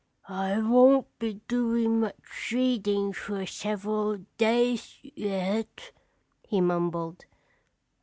"I won't be doin' much readin' fer several days yet," he mumbled.